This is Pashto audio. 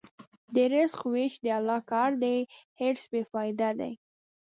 د رزق وېش د الله کار دی، حرص بېفایده دی.